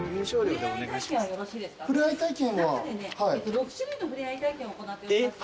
６種類の触れ合い体験行っております。